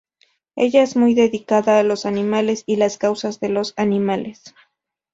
Ella es muy dedicada a los animales y las causas de los animales.